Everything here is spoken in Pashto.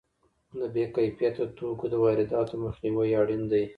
د بې کیفیته توکو د وارداتو مخنیوی اړین دی.